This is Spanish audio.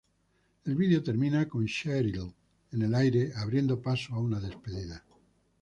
El video termina con Cheryl en el aire abriendo paso a una despedida.